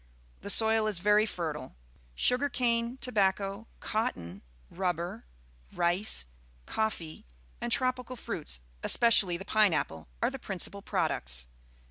The soil is very fertile. Sugar cane, tobacco, cotton, rubber, rice, coffee, and tropical fruits, especially the pineapple, are the principal products.